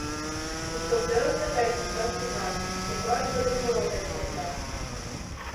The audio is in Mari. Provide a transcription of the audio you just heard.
Ӱстелтӧрыштӧ тайнышташ тӱҥале, коклан шыдын муралтен колта: